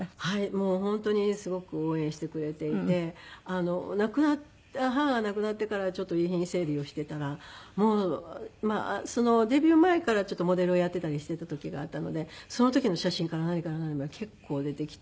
もう本当にすごく応援してくれていて母が亡くなってからちょっと遺品整理をしていたらもうデビュー前からちょっとモデルをやっていたりしていた時があったのでその時の写真から何から何まで結構出てきてびっくりしました。